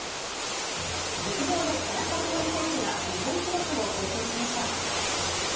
陸上の田中希実選手が、日本記録を更新しました。